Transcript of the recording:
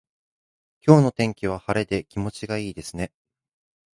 今日の天気は晴れで気持ちがいいですね。